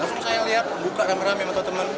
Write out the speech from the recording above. langsung saya lihat buka kameramim atau teman